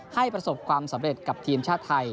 ประสบความสำเร็จกับทีมชาติไทย